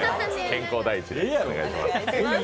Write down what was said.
健康第一でお願いします。